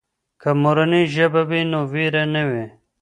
که مورنۍ ژبه وي نو وېره نه وي.